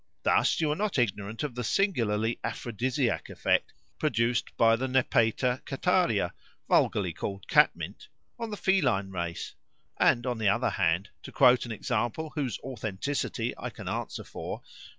Thus you are not ignorant of the singularly aphrodisiac effect produced by the Nepeta cataria, vulgarly called catmint, on the feline race; and, on the other hand, to quote an example whose authenticity I can answer for.